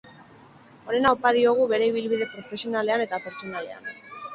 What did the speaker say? Onena opa diogu bere ibilbide profesionalean eta pertsonalean.